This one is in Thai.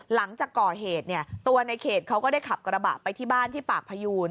หลังจากก่อเหตุเนี่ยตัวในเขตเขาก็ได้ขับกระบะไปที่บ้านที่ปากพยูน